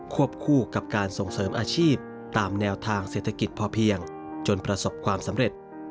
วบคู่กับการส่งเสริมอาชีพตามแนวทางเศรษฐกิจพอเพียงจนประสบความสำเร็จ